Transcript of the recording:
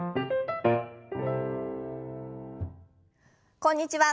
こんにちは。